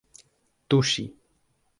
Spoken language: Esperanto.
tuŝi